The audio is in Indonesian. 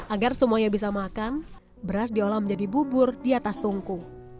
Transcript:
agar semuanya bisa makan beras diolah menjadi bubur di atas tungku